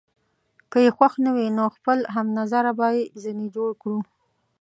که يې خوښ نه وي، نو خپل هم نظره به ځینې جوړ کړو.